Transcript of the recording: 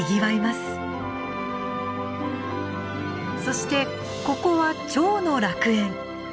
そしてここはチョウの楽園。